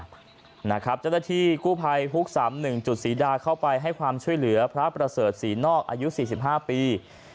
เจ้าหน้าที่กู้ภัยฮุก๓๑จุดศรีดาเข้าไปให้ความช่วยเหลือพระประเสริฐศรีนอกอายุ๔๕ปี